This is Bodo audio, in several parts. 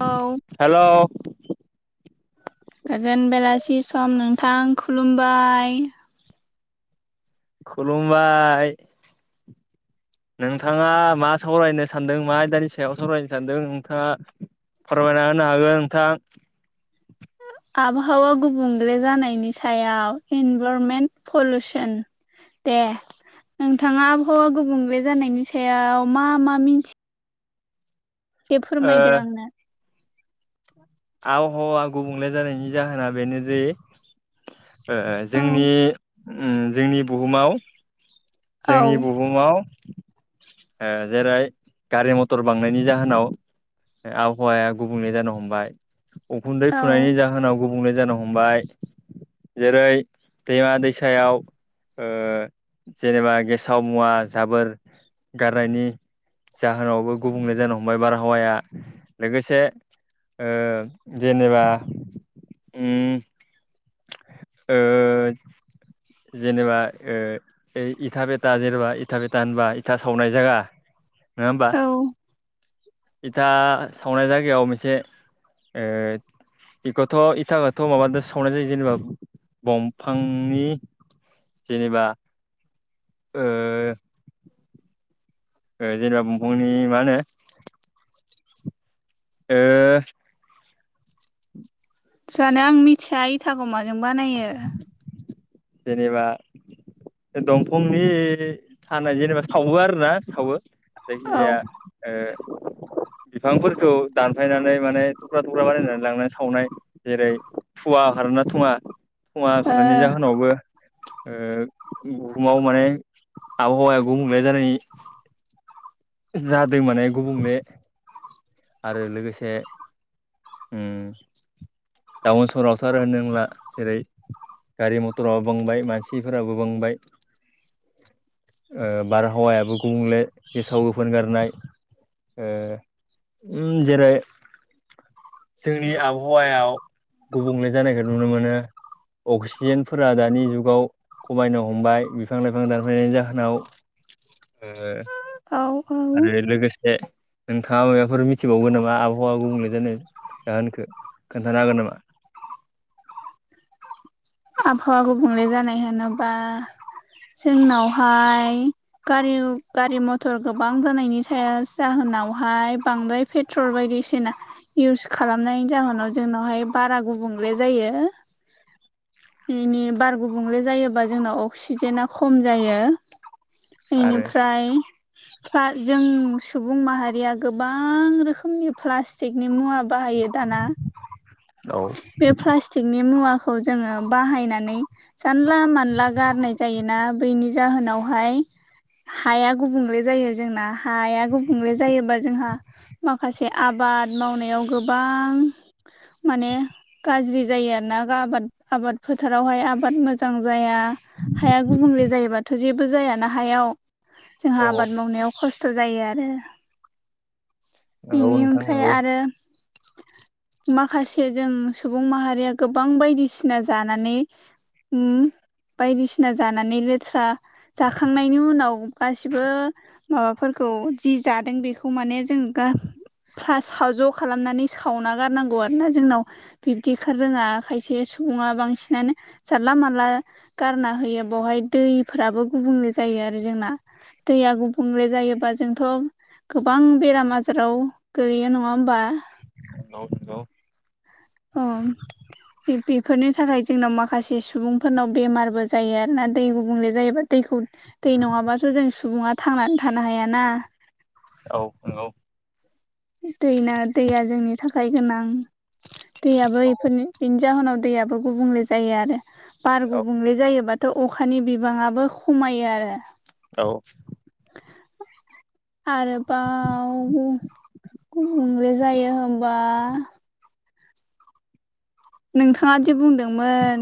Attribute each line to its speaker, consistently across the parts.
Speaker 1: औ
Speaker 2: हेलौ
Speaker 1: गोजोन बेलासि सम नोंथां खुलुमबाय।
Speaker 2: खुलुमबाय नोंथाङा मा सावरायनो सानदों मा आयदानि सायाव सावरायनो सानदों नोंथाङा? फोरमायना होनो हागोन नोंथां?
Speaker 1: आबहावा गुबुंल्रे जानायनि सायाव इनभाररमेन्ट पलुसन दे नोंथाङा आबहावा गुबुंले जानायनि सायाव मा मा मिन्थि दे फोरमायदो
Speaker 2: ओ
Speaker 1: आंनो
Speaker 2: आबहावा गुबुंले जानायनि जाहोना बेनो जे ओ ओ
Speaker 1: औ
Speaker 2: जोंनि ओम जोंनि बुहुमाव
Speaker 1: औ
Speaker 2: जोंनि बुहुमाव ओ जेरै गारि मटर बांनायनि जाहोनाव आबहावाया गुबुंले जानो हमबाय उखुन्दै
Speaker 1: औ
Speaker 2: खुनायनि जाहोनाव गुबुंले जानो हमबाय जेरै दैमा दैसायाव जेनेबा गेसाव मुवा जाबोर गारनायनि जाहोनावबो गुबुंले जानो हमबाय बारहावाया लोगोसे ओ जेनेबा ओम ओ जेनेबा ओ इथा बेथा जेनेबा इथा बेथा होनबा इथा सावनाय जागा नङा होमबा?
Speaker 1: औ
Speaker 2: इथा सावनाय जायगायाव मोनसे ओ बेखौथ' इथाखौथ' माबादोसो सावनाय जायो जेनेबा दंफांनि जेनेबा ओ जेनेबा बंफंनि मा होनो ओ
Speaker 1: जानो आं मिथिया इथाखौ माजों बानायो।
Speaker 2: जेनेबा दंफंनि थानाय जेनेबा सावो आरो ना सावो।
Speaker 1: औ ओ
Speaker 2: जायखिजाया ओ बिफांफोरखौ दानफायनानै माने थुख्रा थुख्रा बानायनानै लांनानै सावनाय जेरै थुवा ओंखारो ना थुवा थुवा ओंखारनायनि जाहोनावबो ओ बुहुमाव माने आबहावाया गुबुंले जानायनि जादों माने गुबुंले। आरो लोगोसे ओम टाउन सहरावथ' आरो होननो नांला जेरै गारि मथराबो बांबाय मानसिफोराबो बांबाय। ओ बारहावायाबो गुबुंले गेसाव गोफोन गारनाय ओ। ओम जेरै जोंनि आबहावायाव गुबुंले जानायखौ नुनो मोनो। अक्सिजेनफोरा दानि जुगाव खमायनो हमबाय बिफां लाइफां दानफायनायनि जाहोनाव ओ
Speaker 1: औ औ
Speaker 2: आरो लोगोसे नोंथाङा माबाफोर मिथिबावगोन नामा आबहावा गुबुंले जानाय जाहोनखौ खोन्थानो हागोन नामा?
Speaker 1: आबहावा गुबुंले जानाय होनोबा जोंनावहाय गारि गारि मथर गोबां जानायनि साया जाहोनावहाय बांद्राय फे पेट्रल बायदिसिना इउस खालामनायनि जाहोनाव जोंनावहाय बारा गुबुंले जायो‌। मिनि बार गुबुंले जायोबा जोंनाव अक्सिजेना खम जायो।
Speaker 2: आरो
Speaker 1: इनिफ्राय जों सुबुं माहारिया गोबां रोखोमनि प्लास्टिकनि मुवा बाहायो दाना
Speaker 2: औ
Speaker 1: बे प्लास्टिकनि मुवाखौ जोङो बाहायनानै जानला मानला गारनाय जायोना बैनि जाहोनावहाय हाया गुबुंले जायो जोंना। हाया गुबुंले जायोबा जोंहा माखासे आबाद मावनायाव गोबां माने गाज्रि जायो आरोना आबाद आबाद फोथारावहाय आबाद मोजां जाया हाया गुबुंले जायोबाथ' जेबो जायाना हायाव जोंहा
Speaker 2: औ
Speaker 1: आबाद मावनायाव खस्थ' जायो आरो।
Speaker 2: नंगौ
Speaker 1: बेनि
Speaker 2: नोंथां
Speaker 1: ओमफ्राय
Speaker 2: नंगौ
Speaker 1: आरो माखासे जों सुबुं माहारिया गोबां बायदिसि बायदिसिना जानानै ओम बायदिसिना जानानै लेथ्रा जाखांनायनि उनाव गासिबो माबाफोरखौ जि जादों बेखौ माने जों गा फ्रा साव ज' खालामनानै सावना गारनांगौ आरो ना जोंनाव बिब्दिखौ रोङा खायसे सुबुङा बांसिनानो जानला मोनला गारना होयो बहाय दैफोराबो गुबुंले जायो आरो जोंना। दैया गुबुंले जायोबा जोंथ' गोबां बेराम आजाराव गोलैयो नङा होमबा?
Speaker 2: औ हेलौ
Speaker 1: ओं बेफोरनि थाखाय जोंनाव माखासे सुबुंफोरनाव बेमारबो जायो आरो ना दै गुबुंले जायोबा दैखौ दै नङाब्लाथ' जों सुबुङा थांनानै थानो हायाना।
Speaker 2: औ नंगौ
Speaker 1: दैना दैया जोंनि थाखाय गोनां। दैयाबो इफोरनि बेनि जाहोनाव दैयाबो गुबुंले जायो आरो बार
Speaker 2: औ
Speaker 1: गुबुंले जायोबाथ' अखानि बिबाङाबो खमायो आरो।
Speaker 2: औ
Speaker 1: आरोबाव गुबुंले जायो होमबा नोंथाङादि बुंदोंमोन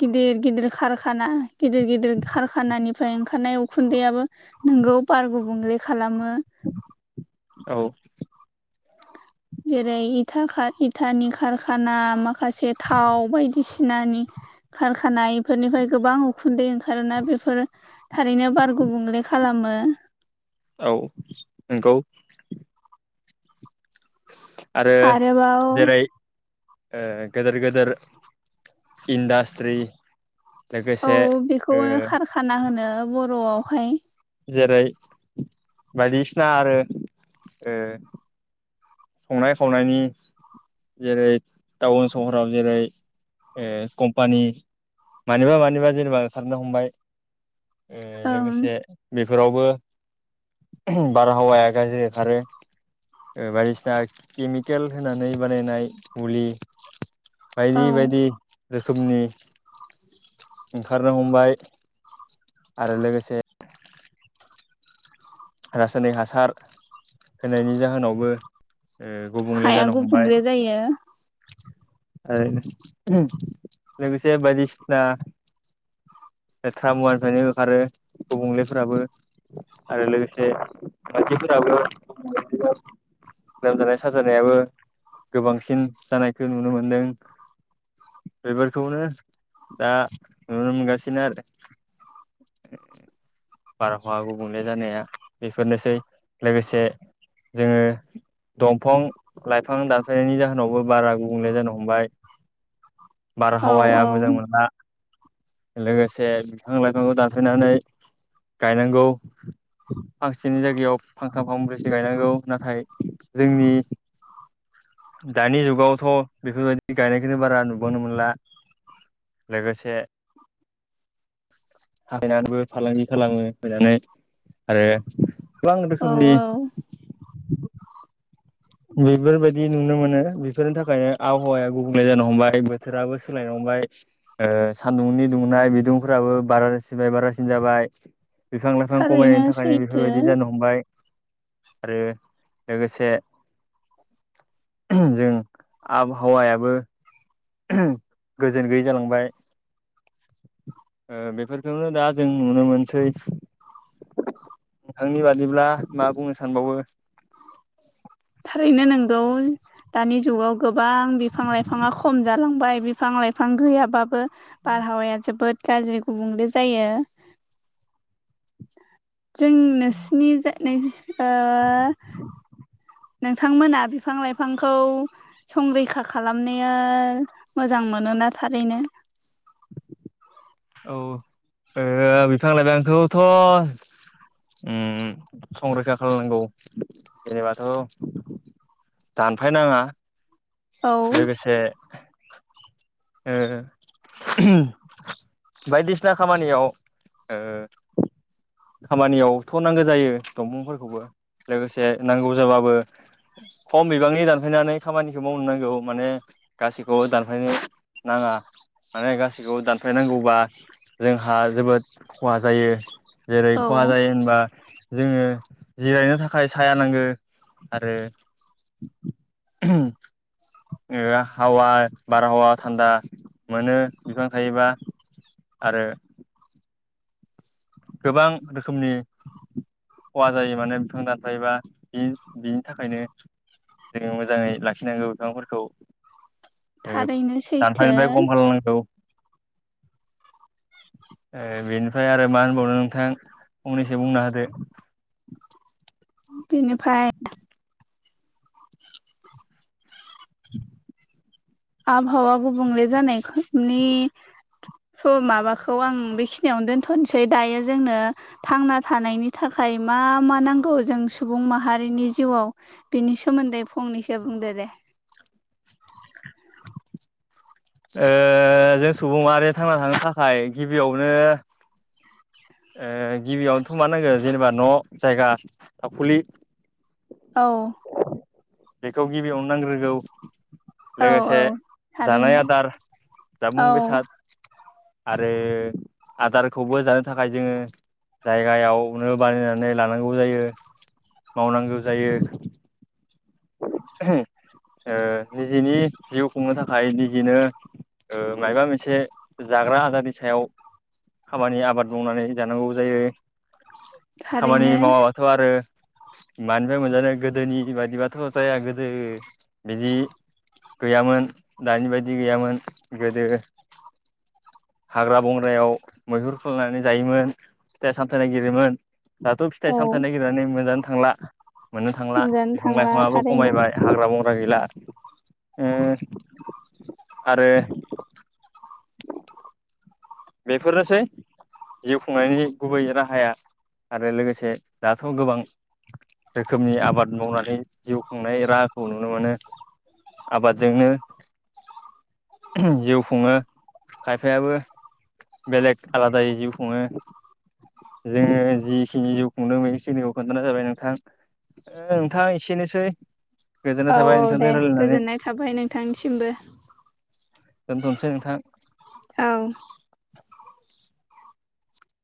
Speaker 1: गिदिर गिदिर खारखाना गिदिर गिदिर खारखानानिफ्राय ओंखारनाय उखुन्दैयाबो नोंगौ बार गुबुंले खालामो।
Speaker 2: औ
Speaker 1: जेरै इथा-इथानि कारखाना माखासे थाव बायदिसिनानि खारखानाय बेफोरनिफ्राय गोबां उखुन्दै ओंखारोना बेफोर थारैनो बार गुबुंले खालामो।
Speaker 2: औ नंगौ। आरो
Speaker 1: आरोबाव
Speaker 2: जेरै ओ गेदेर गेदेर इन्डास्ट्रि
Speaker 1: औ
Speaker 2: लोगोसे ओ
Speaker 1: बेखौनो खारखाना होनो बर'आवहाय।
Speaker 2: जेरै बायदिसिना आरो ओ संनाय खावनायनि जेरै टाउन सहराव जेरै ओ कम्पानि मानिबा मानिबा जेनेबा ओंखारनो हमबाय ओ
Speaker 1: ओं
Speaker 2: लोगोसे बेफोरावबो बारहावाया गाज्रि ओंखारो ओ बायदिसिना दा केमिकेल होनानै बानायनाय मुलि
Speaker 1: औ
Speaker 2: बायदि बायदि रोखोमनि ओंखारनो हमबाय आरो लोगोसे रासायनिक हासार होनायनि जाहोनावबो ओ गुबुंले
Speaker 1: हाया
Speaker 2: जानो हमबाय
Speaker 1: गुबुंले जायो
Speaker 2: ओ लोगोसे बायदिसिना लेथ्रा मुवानिफ्रायनो आरो गुबुंलेफोराबो आरो लोगोसे [unintelligible] लोगोसे मानसिफोराबो लोमजानाय साजानायाबो गोबांसिन जानायखौ नुनो मोनदों बेफोरखौनो दा नुनो मोनगासिनो आरो।
Speaker 1: [inaudible]
Speaker 2: बारहावा गुबुंले जानाया बेफोरनोसै लोगोसे जोङो दंफां लाइफां दानफायनायनि जाहोनावबो बारा गुबुंले जानो हमबाय।
Speaker 1: औ
Speaker 2: बारहावाया
Speaker 1: औ
Speaker 2: मोजां मोना। लोगोसे बिफां लाइफांखौ दानफायनानै गायनांगौ फांसेनि जायगायाव फांथाम साब्रैसो गायनांगौ नाथाय जोंनि दानि जुगावथ' बेफोरबायदि गायनायखौनो बारा नुबावनो मोनला लोगोसे थाहैनानैबो फालांगि खालामो फनानै आरो गोबां
Speaker 1: औ
Speaker 2: रोखोमनि
Speaker 1: औ
Speaker 2: बेफोरबायदि नुनो मोनो बेफोरनि थाखायनो आबहावाया गुबुंले जानो हमबाय बोथोराबो सोलायनो हमबाय ओ सान्दुंनि दुंनाय बिदुंफोराबो बारासिबाय बारासिन जाबाय। बिफां लाइफां
Speaker 1: थारैनो
Speaker 2: खमायनायनि थाखायनो बेफोरबायदि
Speaker 1: सैथो
Speaker 2: जानो हमबाय आरो लोगोसे [unintelligible] जों आबहावायाबो [unintelligible] गोजोन गैयि जालांबाय ओ बेफोरखौनो दा जों नुनो मोनसै। नोंथांनि बादिब्ला मा बुंनो सानबावो?
Speaker 1: थारैनो नोंगौ दानि जुगाव गोबां बिफां लाइफाङा खम जालांबाय। बिफां लाइफां गैयाबाबो बारहावाया जोबोद गाज्रि गुबुंले जायो। जों नोंसिनि जो ओ नोंथांमोना बिफां लाइफांखौ संरैखा खालामनाया मोजां मोनोना थारैनो?
Speaker 2: औ ओ बिफां लाइफाखौथ' उम संरैखा खालामनांगौ जेनेबाथ' दानफायनाङा
Speaker 1: औ
Speaker 2: लोगोसे ओ [unintelligible] बायदिसिना खामानियाव ओ खामानियावथ' नांगो जायो दंफांफोरखौबो लोगोसे नांगौ जाबाबो खम बिबांनि दानफायनानै खामानिखौ मावनो नांगौ माने गाैखौबो दानफायनो नाङा माने गासैखौबो दानफ्लायनांगौबा जोंहा जोबोद खहा जायो। जेरै
Speaker 1: औ
Speaker 2: खहा जायो होनबा जोङो जिरायनो थाखाय साया नांगो आरो। [unintelligible] बारहावा थान्दा मोनो बिफां थायोबा आरो गोबां रोखोमनि खहा जायो माने बिफां दानफायोबा बि थाखायनो जोङो मोजाङै लाखिनांगौ बिफांफोरखौ ओ
Speaker 1: थारैनो सैथो
Speaker 2: दानफायनिफ्राय खम खालामनांगौ। ए बेनिफ्राय आरो मा हो खौनो नोंथां फंनैसो बुंना होदो।
Speaker 1: बिनिफ्राय [inaudible]
Speaker 2: [inaudible]
Speaker 1: आबहावा गुब गुबुंले जानायनि स' माबाखौ आं बेखिनियावनो दोनथ'नोसै दायो जोंनो थांना थानायनि थाखाय मा मा नांगौ जों सुबुं माहारिनि जिउआव बिनि सोमोन्दै फंनैसो बुंदो दे।
Speaker 2: ओ जों सुबुं माहारिया थांना थाखाय गिबियावनो
Speaker 1: [inaudible]
Speaker 2: ओ गिबियावनोथ' मा नांगो जेनेबा न' जायगा थाखुलि
Speaker 1: औ
Speaker 2: बेखौ गिबियावनो नांग्रोगौ।
Speaker 1: औ औ
Speaker 2: लोगोसे जानाय
Speaker 1: थारैनो
Speaker 2: आदार जामुं
Speaker 1: औ
Speaker 2: बेसाद। आरो आदारखौबो जानो थाखाय जोङो जायगायावनो बानायनानै लानांगौ जायो। मावनांगौ जायो [unintelligible] ओ निजेनि जिउ खुंनो थाखाय निजेनो ओ मायबा मोनसे जाग्रा आदारनि सायाव खामानि आबाद मावनानै जानांगौ जायो खामानि
Speaker 1: थारैनो
Speaker 2: मावाबाथ' आरो मानिफ्राय मोनजानो गोदोनि बायिबाथ' जाया गोदो बिदि गैयामोन दानि बायदि गैयामोन गोदो हाग्रा बंग्रायाव मैहुर खालामनानै जायोमोन फिथाइ सामथायाइ नायागिरोमोन दाथ'
Speaker 1: औ
Speaker 2: फिथाइ सामथायाइ ननायागिरनानै मोनोजानो थांला मोननो थांला-
Speaker 1: नुजानो
Speaker 2: बिफां
Speaker 1: थांला
Speaker 2: लाइफाङआो
Speaker 1: थारैनो
Speaker 2: खमायबाय हाग्रा- बंग्रा ओ गैला आरो बेफोरनोसै। जिउ खुंनायनि गुबै राहाया आरो लोगोसे दाथ' गोबां रोखोमनि आबाद मावनानै जिउ खुंनाय राहाखौ नुनो मोनो। आबादजोंनो जिउ खुङो खायफायाबो बेलेग आलादायै जिउ खुङो। जोङो जिखिनि जिउ खुंदों बेखिनिखौ खोन्थानाय जाबाय नोंथां। नोंथां एसेनोसै। गोजोननाय
Speaker 1: औ
Speaker 2: थाबाय
Speaker 1: औ दे
Speaker 2: नोंथांजों रायलायनानै
Speaker 1: गोजोननाय थाबाय नोंथांनिसिमबो।
Speaker 2: दोनथ'नोसै नोंथां
Speaker 1: औ